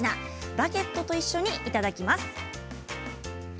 バゲットと一緒にいただきます。